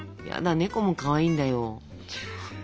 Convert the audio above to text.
ヤダ猫もかわいいんだよ。